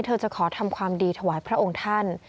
จะขอทำความดีถวายพระองค์ท่าน